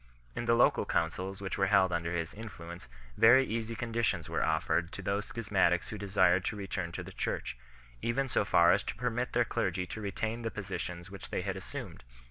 In the local councils which were held under his influence very easy conditions were offered to those schis matics who desired to return to the Church 4 , even so far as to permit their clergy to retain the positions which they had assumed.